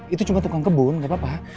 itu cuma tukang kebun nggak apa apa